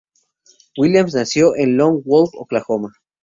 Williams nació en Lone Wolf, Oklahoma.